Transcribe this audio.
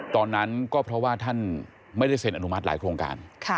ตอนนั้นก็เพราะว่าท่านไม่ได้เซ็นอนุมัติหลายโครงการ